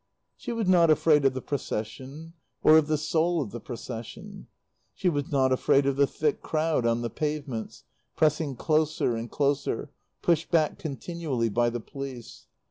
She was not afraid of the Procession or of the soul of the Procession. She was not afraid of the thick crowd on the pavements, pressing closer and closer, pushed back continually by the police.